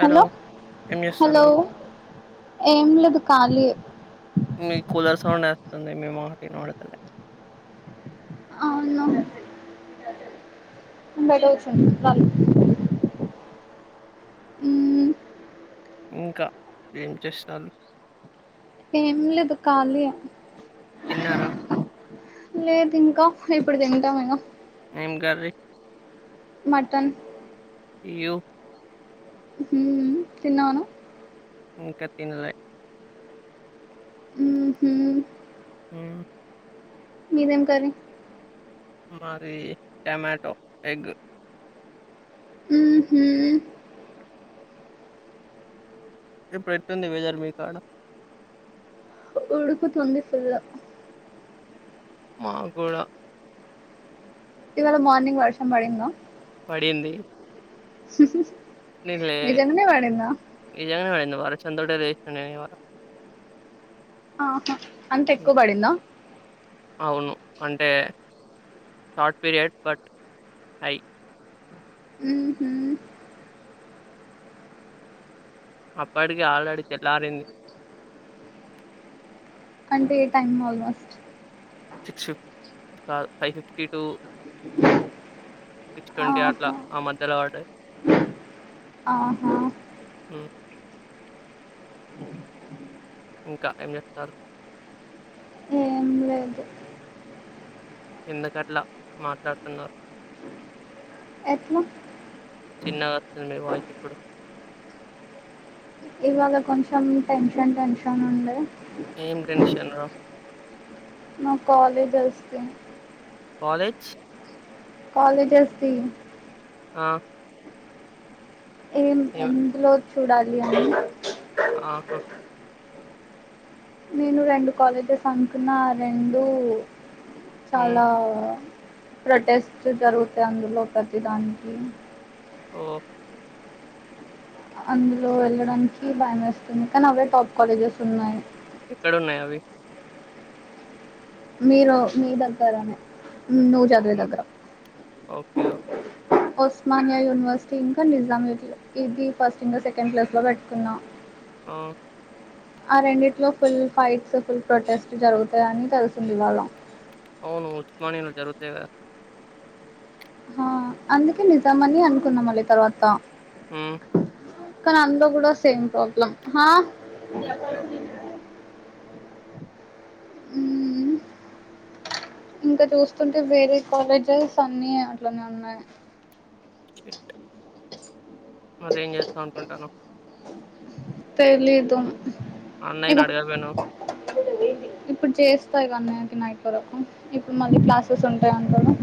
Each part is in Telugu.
హలో ఏం చేస్తారు? హలో ఏం లేదు. ఖాళీ. మీ కూలర్ సౌండే వస్తుంది మీ మాట వినబడతలే. అవును. బయట కూర్చున్న గాలికి. ఉమ్. ఇంకా ఏం చేస్తాంలు. ఏం లేదు ఖాళీయే. తిన్నారా. లేదు ఇంకా ఇప్పుడు తింటాము ఇగ. ఏం కర్రీ. మటన్. క్యూ. ఉమ్ తిన్నావా నువ్వు. ఇంకా తినలే. ఉమ్ ఉహూ. ఉమ్. మీదేం కర్రీ. మాది టమాటో ఎగ్. హ్మ్ హు ఇప్పుడు ఎట్లుంది వెదర్ మీకు ఆడ. ఉడుకుతుంది ఫుల్. మాకు కూడా. ఇవాళ మార్నింగ్ వర్షం పడిందా. పడింది. ఉహూ నేను లే నిజంగానే పడిందా. వర్షం తోటే లేచిన ఇవాళ. ఆహా అంత హ్మ్ ఎక్కువ పడిందా. అవును అంటే షార్ట్ పీరియడ్ బట్ హై. హ్మ్ హు అప్పటికే ఆల్రెడీ తెల్లారింది. అంటే ఏ టైమ్ ఆల్మోస్ట్. సిక్స్ కాదు five fifty two. Six twenty అట్లా ఆహా ఆ మధ్యలో పడ్డాది. ఆహా ఆహ్. ఉమ్. ఇంకా ఏం చేస్తారు. ఏం లేదు ఎందుకట్లా మాట్లాడుతున్నారు. ఎట్లా. చిన్నగా వస్తుంది మీ వాయిస్ ఇప్పుడు. ఇవాళ కొంచెం టెన్షన్ టెన్షన్ ఉండే. ఏం టెన్షను నా కాలేజెస్కి కాలేజ్ కాలేజ్స్ది ఆ ఏం ఎందులో చూడాలి అని ఆహా నేను రెండు కాలేజెస్ అంనుకున్న ఆ రెండు హ్మ్. చాలా ప్రొటెస్ట్ జరుగుతే అందులో ప్రతిదానికి ఓ అందులో వెళ్ళడానికి భయమేస్తుంది కానీ అవే టాప్ కాలేజెస్ ఉన్నాయి ఎక్కడున్నాయి అవి మీరు మీ దగ్గరానే నువ్ చదివే అవునా! దగ్గర ఓకే ఓకే ఒస్మానియా యూనివర్సిటీ ఇంకా నిజాం ఇది ఫస్ట్ ఇం సెకండ్ ప్లస్ లో పెట్టుకున్నా ఆ ఆ రెండిట్లో ఫుల్ ఫైట్స్ ఫుల్ ప్రొటెస్ట్ జరుగుతాయని తెలిసింది ఇవాళ్ళ ఔను ఉస్మానియాలో జరుగుతైకదా హా అందుకే నిజమని అనుకున్నా మల్లి తర్వాత ఆ కానీ అందులో కూడా సేమ్ ప్రాబ్లమ్ హ అయ్యో! మ్మ్ ఇంకా చూస్తుంటే వేరే కాలేజెస్ అన్ని అట్లనే ఉన్నాయి మరి ఏం చేదాం అనుకుంటున్నావు తెలీదు అన్నయ్యని ఇగో అడగాపోయినవ్ ఇప్పుడు చేస్తాయి కానీ నైట్ వరకు ఇప్పుడు హ్మ్. మళ్ళీ క్లాసెస్ ఉంటాయిఅంట కదా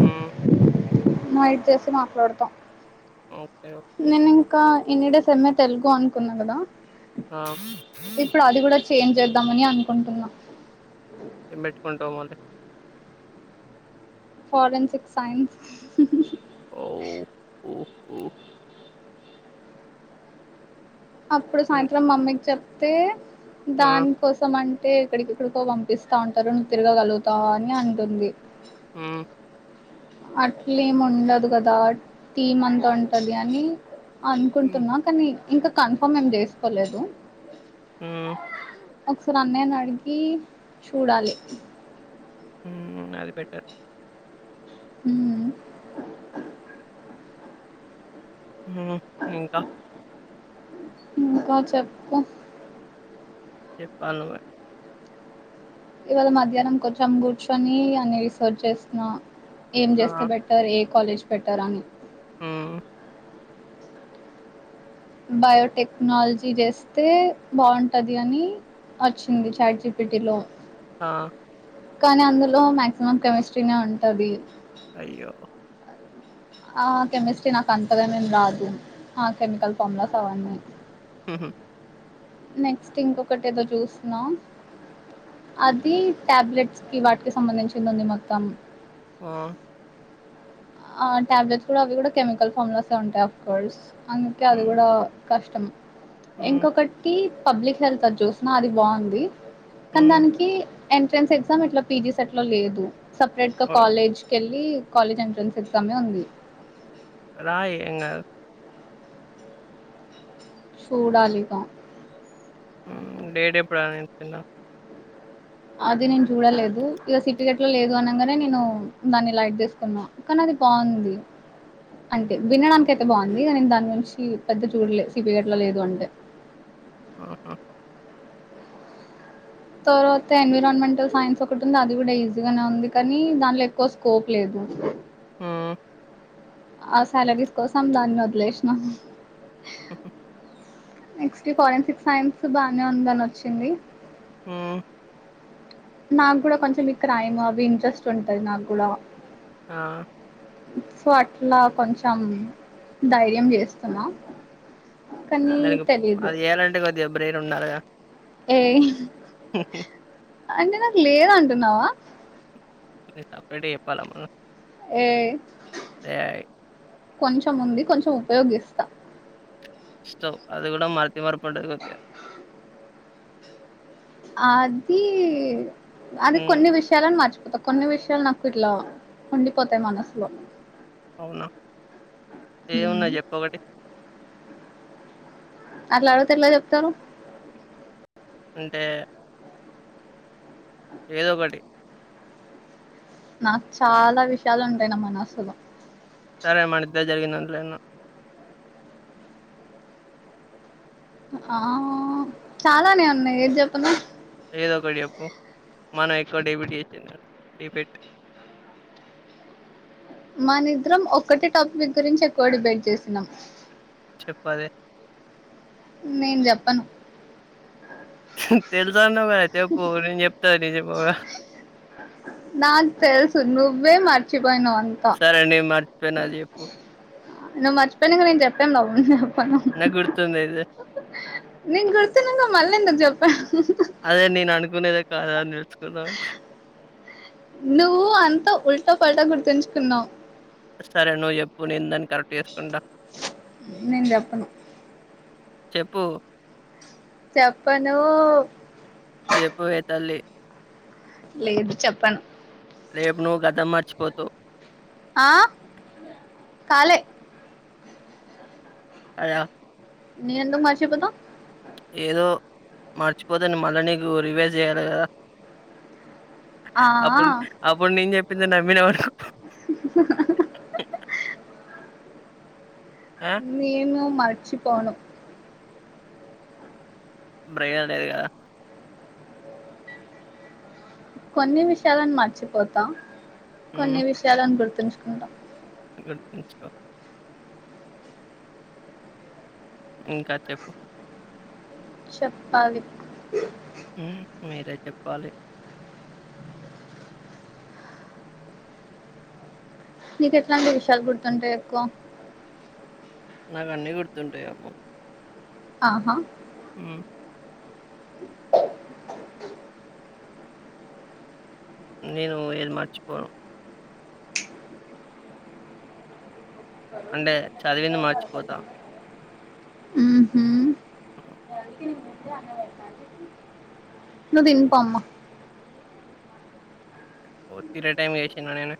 హ్మ్ నైట్ చేసి మాట్లాడతా ఓకే. ఓకే. నేను ఇంకా ఎన్నిడ సమ్మ తెలుగు అనుకున్నా కదా ఆ ఇప్పుడు అది కూడా చేంజ్ చేద్దామని అనుకుంటున్నా ఏం పెట్టుకుంటా మరి ఫరెన్సిక్ సైన్స్ ఓ అప్పుడు హ్మ్. సాయంత్రం మమ్మీకి చెప్తే ఆ! దాని కోసం అం అంటే ఇక్కడికెక్కడికో పంపిస్తా ఉంటారు ను్వు తిరగగలుగుతావు అని అంటుంది ఆ అట్లేమి ఉండదు కదా టీం అంతా ఉంటది అని హ్మ్. అనుకుంటున్నా కానీ ఇంకా కన్ఫామ్ ఏం చేసుకోలేదు ఆ ఒకసారి అన్నయ్యను అడిగి చూడాలి హ్మ్ అది బెటర్ హ హ్మ్ ఇంకా ఇంకా చెప్పు చెప్పలనువ్వే ఇవాళ మధ్యాహ్నం కొంచెం కూర్చొని అన్ని రీసర్చ్ చేస్తున ఏం చేస్తే ఆ! బెటర్ ఏ కాలేజ్ బెటర్ అని హ్మ్. బయోటెక్నాలజీ చేస్తే బాగుంటది అని వచ్చింది చాట్ జిపీటీలో ఆ కానీ అందులో మాక్సిమం కెమిస్ట్రీనే ఉంటది అయ్యో ఆ కెమిస్ట్రీ నాకు అంతగానేేం రాదు ఆ కెమికల్ ఫామ్లాస్ అవన్నీ హహ్మ్ నెక్స్ట్ ఇంకొకటి ఏదో చూస్తున్నా అది టాబ్లెట్స్కి వాటికి సంబంధించింది ఉంది మొత్తం ఆ ఆ ట్యాబ్లెట్స్ కూడా అవి కూడా కెమికల్ ఫామ్లాసే ఉంటాయి ఆఫ్ కోర్స్ అందుకే అది హ్మ్. కూడా కష్టం హ్మ్. ఇంకొకటి పబ్లిక్ హెల్త్ అది చూసిన అది బాగుంది కానీ హ్మ్. దానికి ఎంట్రన్స్ ఎగ్జామ్ ఇట్లా పీజీస్ సెట్లో లేదు సపరేట్గా ఓహ్! కాలేజ్ కెళ్ళి కాలేజ్ ఎంట్రన్స్ ఎగ్జామే ఉంది రాయ్ ఎంగదు చూడాలిగా తిన అది నేను చూడలేదు ఇక సిటిికెట్లో లేదు అనగానే నేను దాన్ని లైట్ తీసుకున్నా కానీ బొంది అంటే వినడానికి అయితే బొంది కానీ దాని గురించి పెద్ద చూడలేదు సిపిగట్లా లేదు అంటే ఆహ తర్వాత ఎన్విరాన్మెంటల్ సైన్స్ ఒకటి ఉంది అది కూడా ఈజీగానే ఉంది కానీ దానిలో ఎక్కువ స్కోప్ లేదు ఆ ఆ సాలరీస్ కోసం దాన్ని వదిలేసిన హహ నెక్స్ట్ ఫోరెన్సిక్ సైన్స్ బానే ఉందని వచ్చింది ఆ నాకు కూడా కొంచెం మీ క్రైమ్ అవి ఇంట్రెస్ట్ ఉంటది నాగుడా ఆ సో అట్లా కొంచెం ధైర్యం చేస్తున్నా కానీ దానికి తెలీదు అది చేయలంటే కొద్దిగా బ్రెయిన్ ఉండాలిగా ఏ హహ్మ్ అంటే నాకు లేద్అంటున్నావా అది సపరేట్గ చెప్పాలమా ఏ యై కొంచెం ఉంది కొంచెం ఉపయోగిస్తా స్టవ్ అది కూడా మతిమర్పు ఉంటాదికొద్దిగా అది అది హ్మ్. కొన్ని విషయాలను మర్చిపోతాం కొన్ని విషయాలు నాకు ఇట్లా ఉండిపోతాయి మనసులో అవునా హ్మ్. ఏమున్నాయి చెప్పు ఒకటి అట్లా అడుగుతే ఎట్ల చెప్తారు అంటే ఏదొ ఒకటి నాకు చాలా విషయాలు ఉంటాయి నా మనసులో ఏదన్నా ఆ చాలానే ఉన్నాయి ఏది చెప్పను ఏదో ఒకటి చేప్పు మనం ఎక్కువ డెబిట్ చేసింది డిబిట్ మానిద్ద్రం ఒక్కటే టాపిక్ గురించి ఎక్కువ డిబేట్ చేసినాం చెప్పదె నేను చెప్పను తెలుసాన్నావ్ కదా చెప్పు నీను చెప్తా నువ్ చెప్పవా నాక్ తెల్సు నువ్వే మార్చ్ పోయినవ్ అంతా సరే నేను మర్చిపోయిన అది జెప్పు. నువ్ మర్చిపోయనంక నేను చెప్పేం లాభం పను నాకు గుర్తుందిది. నీకు గుర్తున్నాక మళ్ళ ఎందకు చెప్ప అదే నేను అనుకునేదే కాదా అ నిలుచుకుందామని నువ్వు అంతా ఉల్టా పల్ట గుర్తుంచుకున్నావు సరే నువ్వు చెప్పు నిందన్ నీను చేప్పను చెప్పు చెప్పను చేప్పవే తల్లి లేదు చెప్పను రేపు నువ్వు గతం మర్చిపోతవ్ ఆ హలో నీను ఎందుకు మర్చిపోత ఏదో మర్చిపోతే న్ మళ్ళీ నీకు రివైజ్ చేయాలి కదా ఆ అప్పుడు అప్పుడు నీను చెప్పందె నమ్మినావ్ అన్ ఆ! నేను మరచిపోను బయం లేదు కదా కొన్ని విషయాలను మర్చిపోతా కొన్ని విషయాలను గుర్తుంచుకుంటా గర్తించుకో ఇంకా చెప్పు చెప్పలీ మ్ మీరే చెప్పాలి నీకు ఎట్లాంటి విషయాలు గుడుతుంటాయి ఎక్కువ నాకు అన్నీ గుర్తుంటాయ్ ఆహా మ్ నేను ఏది మర్చిపోను అంటే చదివింది మర్చిపోతా ఆహ హ్మ్. నువ్వు తినిపమ్మా ఓ తరే టైమ్ చేసనూ నేను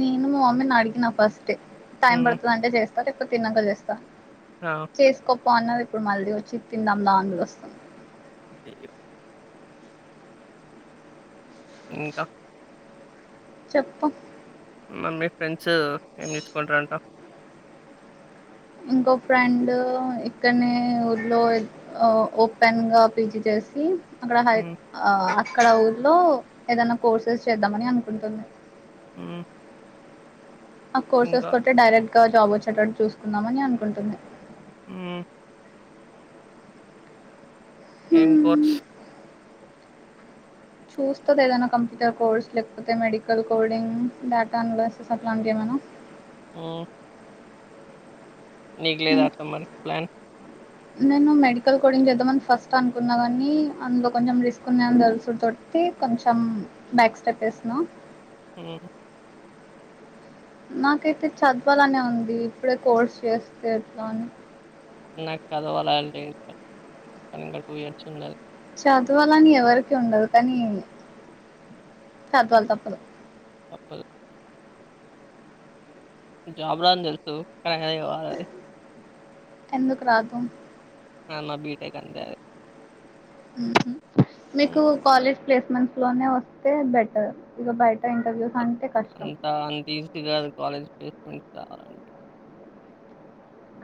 నేను మా మమ్మీని అడిగిన ఫస్ట్ టైం హ్మ్. పడుతుందింటే చేస్తా ఎప్పుడు తినక చేస్తా ఆ! చేసుకోపో అన్నది ఇప్పుడు మళ్ళీ వచ్చి తిందాం లాంగ్ వస్తుంది ఉహు ఇంకా చెప్పు మ మీ ఫ్రెండ్స్ ఏం తీసుకుంటారంట ఇంకొ ఫ్రెండ్ ఇక్కడనే ఊర్లో ఓపెన్ గా పీజి చేసి అక్కడ హై హ్మ్. అక్కడ ఊర్లో ఏదైనా కోర్సెస్ చేద్దామని అనుకుంటుంది ఆ ఆ కోర్సెస్ తో డైరెక్ట్ గా జాబ్ వచ్చేటట్టు చూసుకుందామని అనుకుంటుంది ఆ ఎ కోర్స్ హ్మ్, చూస్తుది ఏదనా కంప్యూటర్ కోర్స్ లేకపోతే మెడికల్ కోడింగ్ డేటా అనలాసెస్ అట్లాంటివి ఏమైన్నా ఆ నీకు లేదా నేను అట్లా మరి ప్లాన్ నేను మెడికల్ కూడాంచి చేద్దామని ఫస్ట్ అనుకున్నా కాగాని అందులో కొంచెం రిస్క్ ఉన్నాయని తెలుసు త కొంచెం బ్యాక్ స్టెప్ ఏసిన ఉ నాకైతే చదవాలనే ఉంది ఇప్పుడే కోర్స్ చేస్తే ఎట్లాని నాకు చదవాలి అని లేదు కానీ ఇంకా టూ ఇయర్స్ ఉండాలి చదువాలని ఎవరికి ఉండదు కానీ చదవాలి తప్పదు తప్పదు జాబు రాదు అని తెలుసు కానీ అయినా చదవాలి ఎందుకు రాదు అన్న బీటెక్ అంటేే అది ఊహు హ్మ్. మీకు కాలేజ్ ప్లేస్మెంట్స్ లోనే వస్తే బెటర్ ఇక బయటర్ ఇంటర్వ్యూస్ అంటే కష్టం అంతా అంత ఈజీగా కాలేజ్ ప్లేస్మెంట్స్ రావాలంటే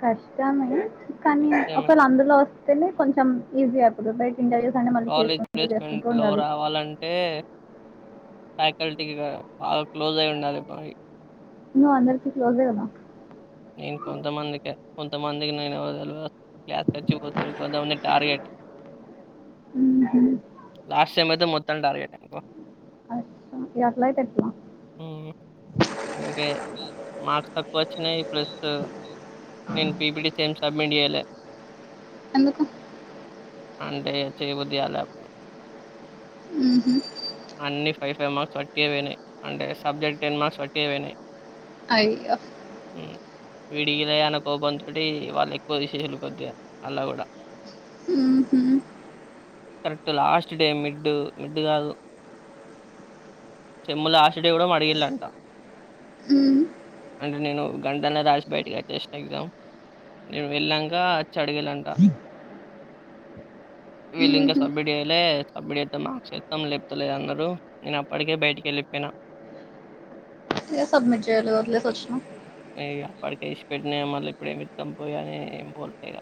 కష్టమే కానీ నిజమే. ఒకవేళ అందులో వస్తేనే కొంచెం ఈజీ అప్పుడు కాలేజ్ ప్లేస్మెంట్ లో రావాలంటేక్ ల్ బాగా క్లోజ్ అయి ఉండాలి మ నువ్వు అందరికీ క్లోజ్ ఏ కదా నేను కొంతమందికి కొంతమందికి నేను ఎవరో తెల్వదు క్లాస్ నచ్చకపోతే కొంతమంది టార్గెట్ ఊహు లాస్ట్ టైమ్ అయితే మొత్తం టార్గెట్కు అచ్చా ఇగ అట్లయితే ఎట్లా అందుకే మార్క్స్ తక్కువ వచ్చి ప్లస్ నేను పీపిటి సేమ్ సబ్మిట్ చేయ్యాల ఎందుకు అంటే చేయబుద్ది కాల ఉహు అన్ని ఫైవ్ ఫైవ్ మార్క్స్ వట్టి వయినాయి అంటే సబ్జెక్ట్ టెన్ మార్క్స్ వట్టి వయినాయి అయ్యో వీడియ్యాలె అన్న కోపంతోటి వాళ్ళ ఎక్కువ తీషేలు కొద్దగ అల్ల కూడా మ్ హు correct last day mid mid కాదు సేమ్ము లాస్ట్ డే కూడం అడిగిల్లంట ఊ అంటే నేను గంటనే రాసి బయటకి వచ్చేసిన ఎగ్జామ్ నేను వెళ్ళాక వచ్చి అడిగిలంట వీళ్ళు ఇంకా ఊహు సబ్మిట్ చేయ్యాలే సబ్మిట్ చేస్తే మార్క్స్ ఏస్తాం లేపోతేలేదన్నారు నేనప్పటికే బయటికిెళ్ళి పోయిన ఇగ సబ్మిట్ చేయాలె వదిలేసి వచ్చినవా ఇగ అప్పటికే విడిచి పెట్టినా ఇగ మళ్ళ ఇప్పుడెమిద్దం పోయ్ అని ఏం పోట్లే ఇగ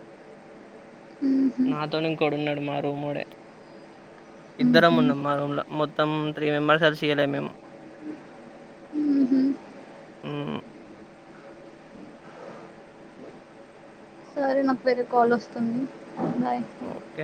ఊహు నాతో ఇంకోడున్నాడు మా రూముోడే ఇద్దరం ఊహు ఉన్నాం మా రూమ్ లో మొత్తం త్రీ మెంబర్స్ అసలు చేయలే మేము ఊహు మ్ సరే నాకు వేరే కాల్ వస్తుంది బాయ్ ఓకే